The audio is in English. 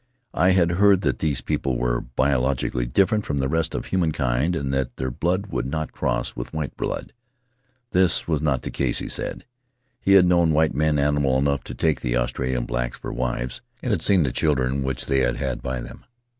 I had heard that these people were biologi cally different from the rest of humankind and that their blood would not cross with white blood. This was not the case, he said. He had known white men animal enough to take the Australian blacks for wives, and had seen the children which they had by them.